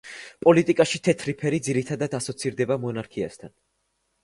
პოლიტიკაში თეთრი ფერი ძირითად ასოცირდება მონარქიასთან.